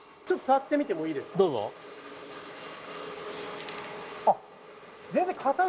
ちょっと触ってみてもいいですか？